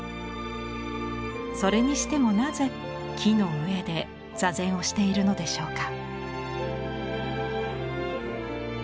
それにしてもなぜ木の上で坐禅をしているのでしょうか。